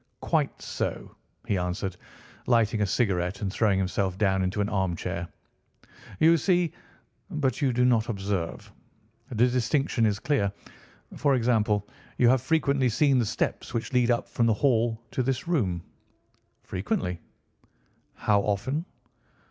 "Quite so," he answered, lighting a cigarette, and throwing himself down into an armchair. "You see, but you do not observe. The distinction is clear. For example, you have frequently seen the steps which lead up from the hall to this room." "Frequently." "How often?"